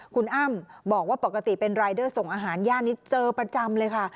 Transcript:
คุณอ้ำบอกว่าปกติเป็นรายเดอร์ส่งอาหารย่านนี้เจอประจำเลยค่ะ